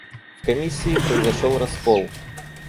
В комиссии произошел раскол.